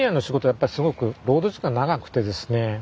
やっぱりすごく労働時間長くてですね